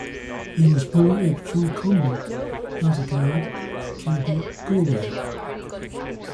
He was born at Kilcommon, Oughterard, County Galway.